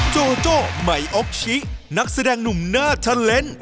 โจโจไม๊ออกชินักแสดงหนุ่มหน้าทัลเลนต์